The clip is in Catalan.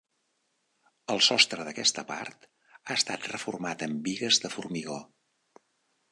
El sostre d'aquesta part ha estat reformat amb bigues de formigó.